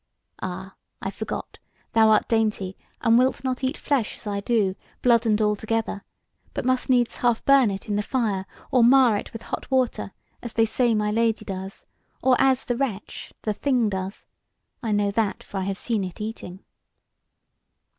Ah, I forgot; thou art dainty, and wilt not eat flesh as I do, blood and all together, but must needs half burn it in the fire, or mar it with hot water; as they say my Lady does: or as the Wretch, the Thing does; I know that, for I have seen It eating."